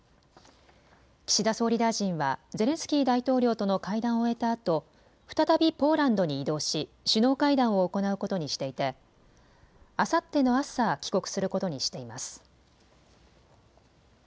岸田総理大臣はゼレンスキー大統領との会談を終えたあと、再びポーランドに移動し首脳会談を行うことにしていてあさっての朝、帰国することにしています。